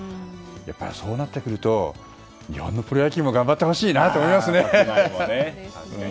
そうなってくるとプロ野球も頑張ってほしいなと思いますね。